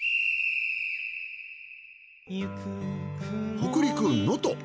北陸能登。